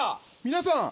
皆さん。